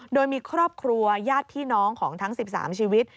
โดยมีครอบครัวญาติพี่น้องของทั้ง๑๓ชีวิต